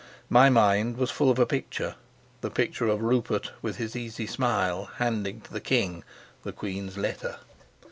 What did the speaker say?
My mind was full of a picture the picture of Rupert with his easy smile handing to the king the queen's letter.